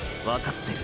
わかってる。